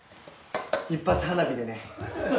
一発花火でね。